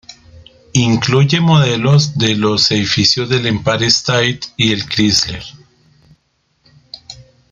Incluye modelos de los edificios del Empire State y el Chrysler.